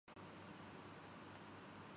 اب جارحانہ کرکٹ کا دور ہے۔